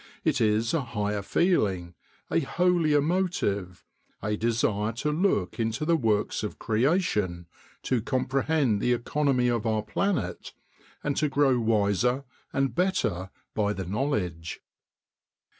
It is a higher feeling, a holier motive, a desire to look into the works of creation, to comprehend the economy of our planet, and to grow wiser and better by the knowledge."